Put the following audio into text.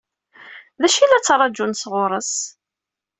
D acu i la ttṛaǧun sɣur-s?